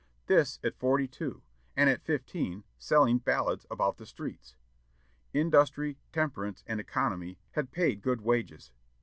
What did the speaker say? This at forty two; and at fifteen selling ballads about the streets! Industry, temperance, and economy had paid good wages.